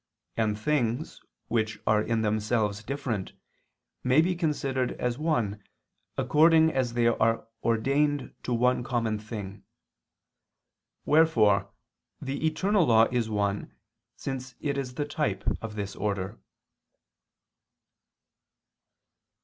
And things, which are in themselves different, may be considered as one, according as they are ordained to one common thing. Wherefore the eternal law is one since it is the type of this order.